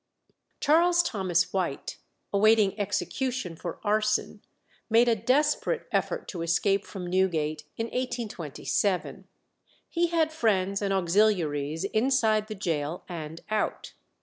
Charles Thomas White, awaiting execution for arson, made a desperate effort to escape from Newgate in 1827. He had friends and auxiliaries inside the gaol and out.